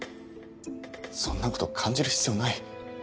そんな事感じる必要ない。